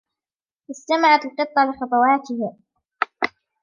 استمعت القطة لخطواتها.